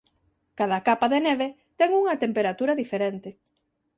Cada capa de neve ten unha temperatura diferente.